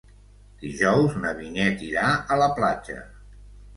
Dijous na Vinyet irà a la platja.